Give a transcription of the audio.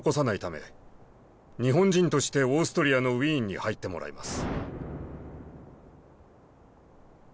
日本人としてオーストリアのウィーンに入ってもらいます。